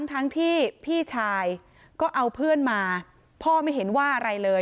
ทั้งที่พี่ชายก็เอาเพื่อนมาพ่อไม่เห็นว่าอะไรเลย